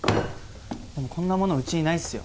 でもこんなものうちにないっすよ